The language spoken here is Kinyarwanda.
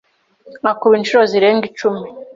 akuba inshuto zirenga icumi